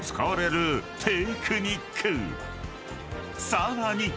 ［さらに］